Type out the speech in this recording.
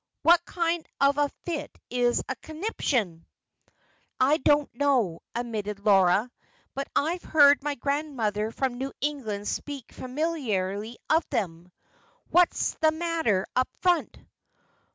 What kind of a fit is a 'conniption'?" "Don't know," admitted Laura. "But I've heard my grandmother from New England speak familiarly of 'em. What's the matter up front?"